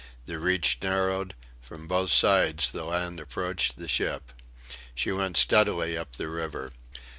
The reach narrowed; from both sides the land approached the ship. She went steadily up the river.